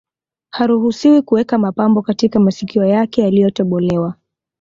Haruhusiwi kuweka mapambo katika masikio yake yaliyotobolewa